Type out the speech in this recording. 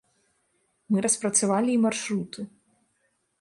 Мы распрацавалі і маршруты.